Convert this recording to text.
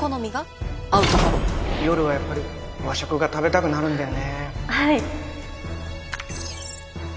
夜はやっぱり和食が食べたくなるんだよね。